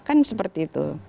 kan seperti itu